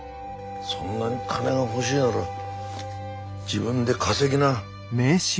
そんなに金が欲しいなら自分で稼ぎな。